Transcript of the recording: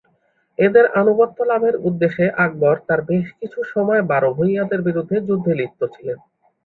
এঁদের আনুগত্য লাভের উদ্দেশ্যে আকবর তাঁর বেশকিছু সময় বারো ভুঁইয়াদের বিরুদ্ধে যুদ্ধে লিপ্ত ছিলেন।